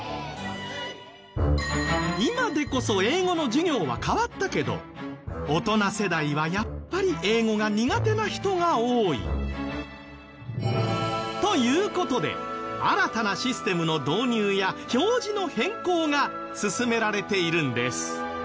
今でこそ英語の授業は変わったけど大人世代はやっぱり英語が苦手な人が多い。という事で新たなシステムの導入や表示の変更が進められているんです。